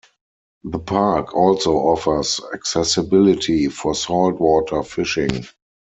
The park also offers accessibility for salt water fishing.